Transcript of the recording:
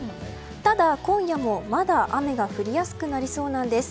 ただ、今夜もまだ雨が降りやすくなりそうなんです。